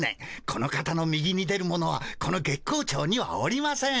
この方の右に出る者はこの月光町にはおりません。